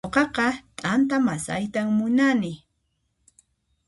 Nuqaqa t'anta masaytan munani